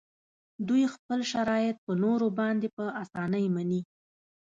دوی خپل شرایط په نورو باندې په اسانۍ مني